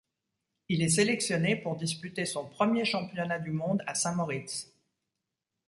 Il est sélectionné pour disputer son premierChampionnat du monde à Saint-Moritz.